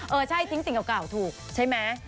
เออใช่ทิ้งสิ่งเก่าถูกใช่ไหม